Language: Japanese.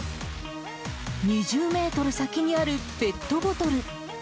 ２０メートル先にあるペットボトル。